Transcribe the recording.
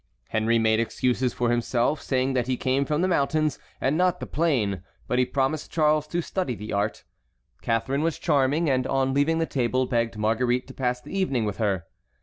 Henry made excuses for himself, saying that he came from the mountains and not the plain, but he promised Charles to study the art. Catharine was charming, and on leaving the table begged Marguerite to pass the evening with her.